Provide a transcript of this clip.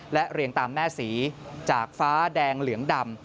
และเรียงตามแม่ศรีจากฟ้าแดงเหลืองดำ